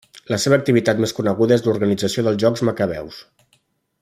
La seva activitat més coneguda és l'organització dels Jocs Macabeus.